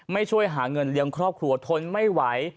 ช่วยหาเงินเลี้ยงครอบครัวทนไม่ไหว